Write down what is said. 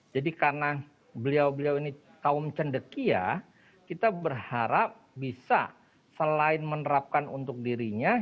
jadi karena beliau beliau ini kaum cendekia kita berharap bisa selain menerapkan untuk dirinya